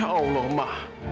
ya allah ma